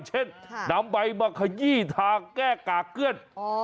เช่นนำใบมาขยี้ทาแก้ก่าเกลื้อน